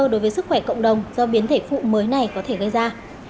đối với sức khỏe cộng đồng do biến thể phụ mới này có thể gây ra